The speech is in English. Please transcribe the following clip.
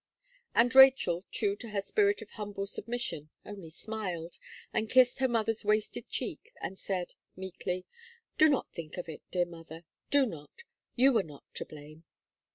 And Rachel, true to her spirit of humble submission, only smiled, and kissed her mother's wasted cheek, and said, meekly: "Do not think of it, dear mother do not; you were not to blame."